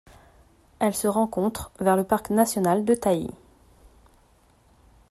Elle se rencontre vers le parc national de Taï.